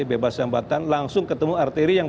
bebas hambatan langsung ketemu arteri yang